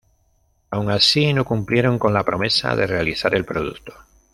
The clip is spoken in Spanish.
Aun así, no cumplieron con la promesa de realizar el producto.